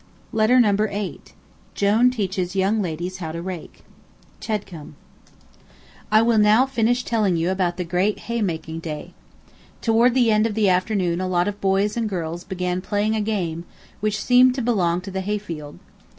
Letter Number Eight CHEDCOMBE I will now finish telling you about the great hay making day. Toward the end of the afternoon a lot of boys and girls began playing a game which seemed to belong to the hayfield.